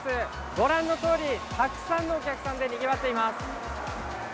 ご覧のとおり、たくさんのお客さんでにぎわっています。